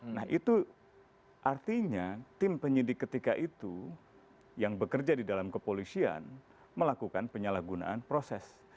nah itu artinya tim penyidik ketika itu yang bekerja di dalam kepolisian melakukan penyalahgunaan proses